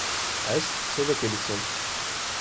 Ez sêvekê dişom.